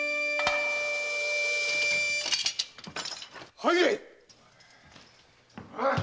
入れ！